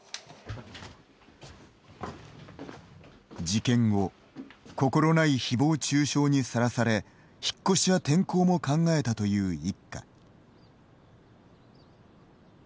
事件後、心ないひぼう中傷にさらされ引っ越しや転校も考えたという一家。